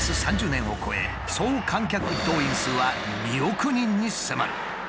３０年を超え総観客動員数は２億人に迫る。